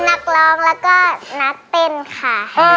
เป็นนักร้องแล้วก็นักติ้นค่ะ